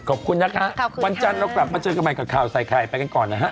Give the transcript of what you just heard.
ขอบคุณนะคะวันจันทร์เรากลับมาเจอกันใหม่กับข่าวใส่ไข่ไปกันก่อนนะฮะ